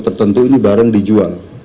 tertentu ini barang dijual